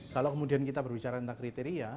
kalau kemudian kita berbicara tentang kriteria